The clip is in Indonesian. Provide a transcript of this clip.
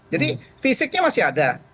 jadi fisiknya masih ada